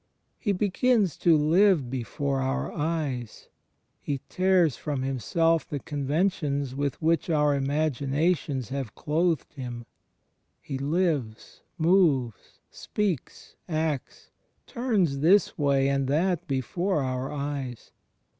He begins to live before oxir eyes; He tears from Himself the conventions with which our imaginations have clothed Him; He lives, moves, speaks, acts, turns this way and that before our eyes.